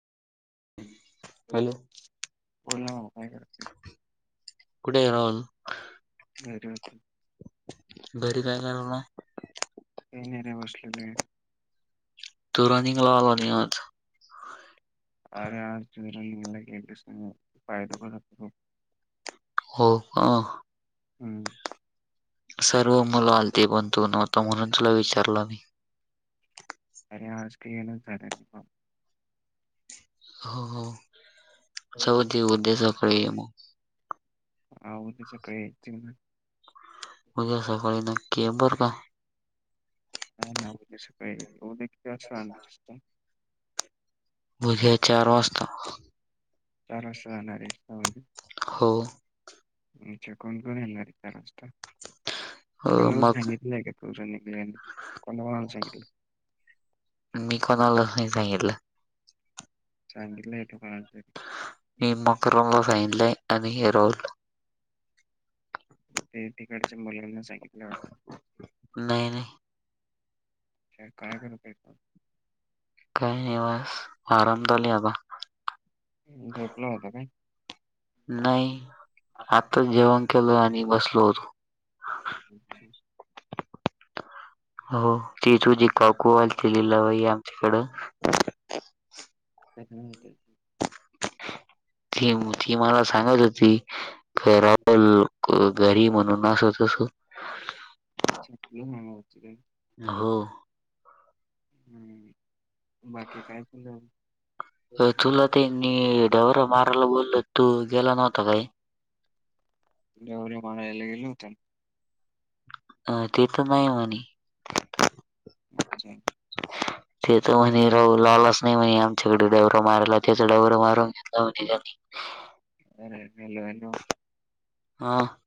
Hello. बला कुठे ये नान वर क घरी काय करलाय का नाहीर बसले तू रनिंग लाला आज आरळचर निंग केस फयतो पाय दुखत होत हो का हम् सर्व मुलं आलती बनतू नव्हत म्हणून तुला विचारलं मी अरे आज का येनच झालं प हो हो सौ ज उद्दे सकळी ये म हा उन चकाळी य त उघ्या सकाळी नक्की बर का [unintelligible] बोलके चार वाजता. चार वाजता जाणारे. [inaudible] हो. [inaudible] सांगितलंय अ मग का तुमचं निकनेम कोणी बनवून सांगितल? मी कोणालाच नाही सांगितलं. सांगितलंय तो पण आलते. [unintelligible] सांगितलंय आणि [inaudible] ते तिकडचे मुलींनाच सांगितलंय वाट नाही नाही. अच्छा काय करत आहेत बा. काही नाही बस आराम चालू आहे आता. हम्म झोपला होता काय? नाही आताच जेवण केलं आणि बसलो होतो. अच्छा. हो ती तुझी काकू आलती लिलाबाई आमच्याकड. [inaudible] ती [inaudible] मला सांगत होती. [unintelligible] घरी म्हणून अस तस. अच्छा. [inaudible] हो. हम्म बाकी काय चालल. [inaudible] मी डवरा मारायला बोललो तू गेला नव्हता काय? डवऱ्या मारायला गेल्या होत्या अ ते त नाही ये मनी ते तर तुला म्हणे नाही राव लाल अस नाही म्हणे आमच्याकडे देवरे मारयला त्याच डवर मारून अरे हॅलो हॅलो. [inaudible] हा.